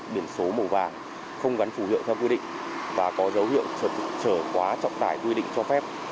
biển số màu vàng không gắn phủ hiệu theo quy định và có dấu hiệu trở tự trở quá trọng tải quy định cho phép